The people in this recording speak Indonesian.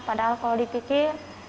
padahal kalau dipikir